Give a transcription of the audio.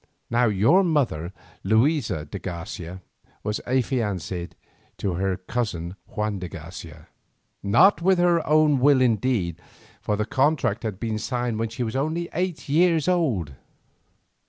Now your mother, Luisa de Garcia, was affianced to her cousin Juan de Garcia, not with her own will indeed, for the contract had been signed when she was only eight years old.